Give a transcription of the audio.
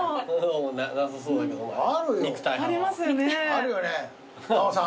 あるよね浜さん。